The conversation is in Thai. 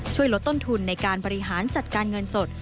ช่วยลดต้นทุนในการบริหารจัดการเงินสด